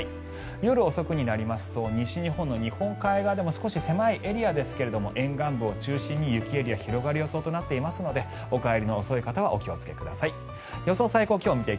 夜遅くになりますと西日本の日本海側でも少し狭いエリアですけども沿岸部を中心に雪エリアが広がる予想となっていますのでお帰りの遅い方はお気をつけください。